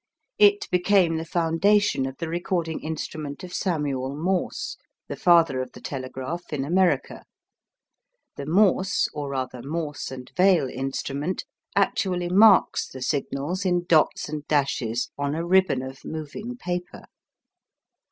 It became the foundation of the recording instrument of Samuel Morse, the father of the telegraph in America. The Morse, or, rather, Morse and Vail instrument, actually marks the signals in "dots" and "dashes" on a ribbon of moving paper.